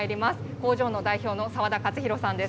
工場の代表の沢田克洋さんです。